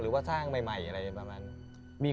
หรือว่าสร้างใหม่อะไรประมาณนี้